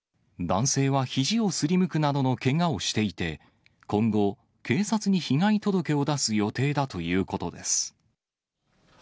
男性はひじをすりむくなどのけがをしていて、今後、警察に被害届を出す予定だということです。